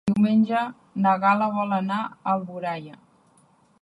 Diumenge na Gal·la vol anar a Alboraia.